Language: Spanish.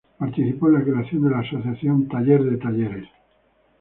Participó en la creación de la asociación Taller de Talleres.